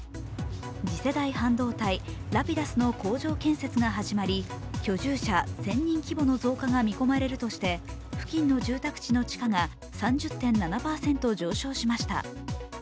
次世代半導体、Ｒａｐｉｄｕｓの工場建設が始まり居住者１０００人規模の増加が見込まれるとして付近の住宅地の地価が３０．７％上昇しました。